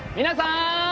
皆さーん！